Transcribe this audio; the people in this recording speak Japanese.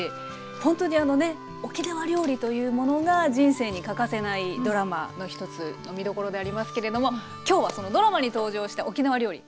ほんとにあのね沖縄料理というものが人生に欠かせないドラマの１つの見どころでありますけれども今日はそのドラマに登場した沖縄料理